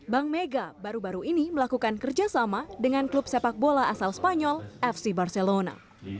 bank mega baru baru ini melakukan kerjasama dengan klub sepak bola asal spanyol fc barcelona